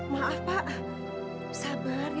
maaf pak sabar ya pak